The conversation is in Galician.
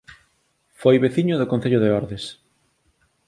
Foi veciño do Concello de Ordes